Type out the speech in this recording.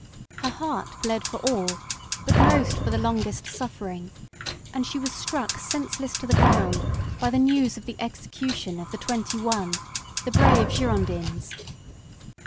Her heart bled for all, but most for the longest suffering; and she was struck senseless to the ground by the news of the execution of the " twenty one," the brave Girondins.